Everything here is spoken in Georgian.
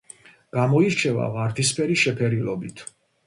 გამოირჩევა ვარდისფერი შეფერილობით.